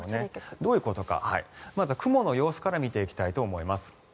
どういうことかまずは雲の様子から見ていきたいと思います。